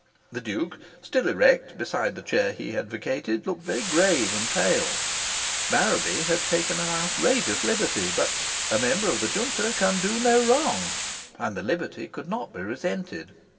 The Duke, still erect beside the chair he had vacated, looked very grave and pale. Marraby had taken an outrageous liberty. But "a member of the Junta can do no wrong," and the liberty could not be resented.